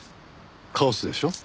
カオスでしょ？